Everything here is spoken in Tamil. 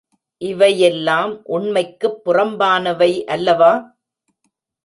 இவையெல்லாம் உண்மைக்குப் புறம்பானவை அல்லவா?